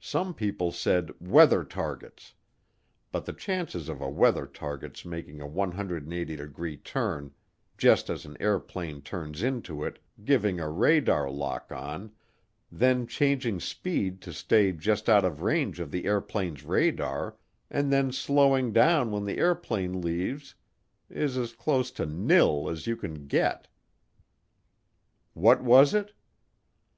Some people said "Weather targets," but the chances of a weather target's making a 180 degree turn just as an airplane turns into it, giving a radar lock on, then changing speed to stay just out of range of the airplane's radar, and then slowing down when the airplane leaves is as close to nil as you can get. What was it?